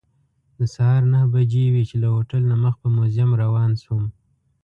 د سهار نهه بجې وې چې له هوټل نه مخ په موزیم روان شوم.